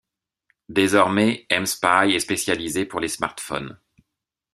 Désormais, mSpy est spécialisée pour les smartphones.